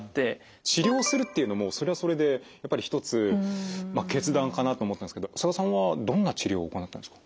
治療するっていうのもそれはそれで一つ決断かなと思ったんですけど佐賀さんはどんな治療を行ったんですか？